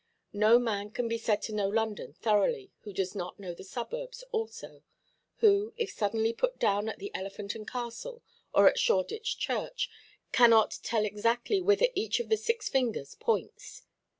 No man can be said to know London thoroughly, who does not know the suburbs also—who, if suddenly put down at the Elephant and Castle, or at Shoreditch Church, cannot tell exactly whither each of the six fingers points.